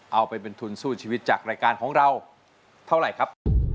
เอาไปเป็นทุนสู้ชีวิตจากรายการของเราเท่าไหร่ครับ